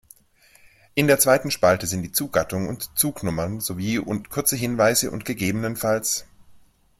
In der zweiten Spalte sind die Zuggattung und Zugnummer sowie kurze Hinweise und ggf.